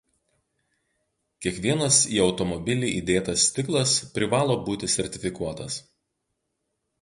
Kiekvienas į automobilį įdėtas stiklas privalo būti sertifikuotas.